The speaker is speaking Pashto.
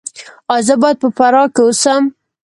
ایا زه باید په فراه کې اوسم؟